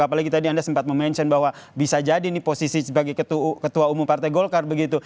apalagi tadi anda sempat memention bahwa bisa jadi ini posisi sebagai ketua umum partai golkar begitu